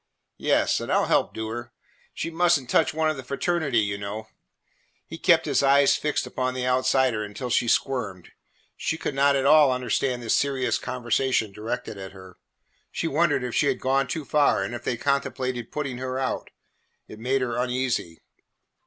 "Yes, and I 'll help do her. She must n't touch one of the fraternity, you know." He kept his eyes fixed upon the outsider until she squirmed. She could not at all understand this serious conversation directed at her. She wondered if she had gone too far and if they contemplated putting her out. It made her uneasy.